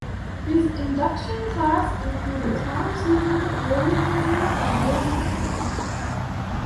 His induction class included Tom Seaver, Rollie Fingers and Bill McGowan.